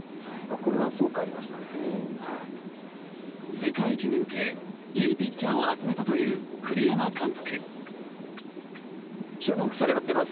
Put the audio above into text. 世界一に向けいいピッチャーを集めたという栗山監督。